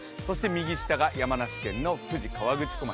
右下が山梨県の富士河口湖町。